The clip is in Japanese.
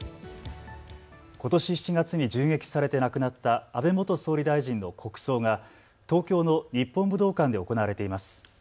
ことし７月に銃撃されて亡くなった安倍元総理大臣の国葬が東京の日本武道館で行われています。